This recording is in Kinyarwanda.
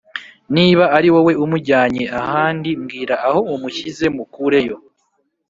niba ari wowe umujyanye ahandi mbwira aho umushyize mukureyo